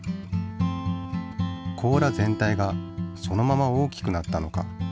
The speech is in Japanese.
甲羅全体がそのまま大きくなったのか？